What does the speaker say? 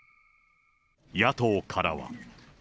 野党からは。